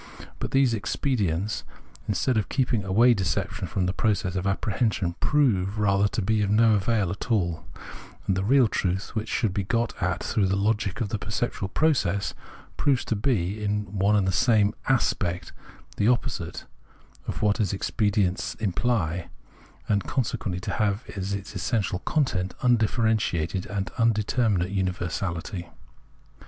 But these expedients, instead of keeping away deception from the process of apprehension, prove rather to be of no avail at all ; and the real truth, which should be got at through the logic of the perceptual process, proves to be in one and the same "aspect" the oppo site (of what those expedients imply), and consequently to have as its essential content undifferentiated and in determinate universality.